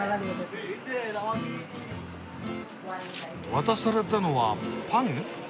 渡されたのはパン？